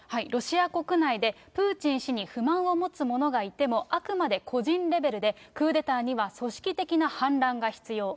ロシア国内でプーチン氏に不満を持つ者がいても、あくまで個人レベルで、クーデターには、組織的な反乱が必要。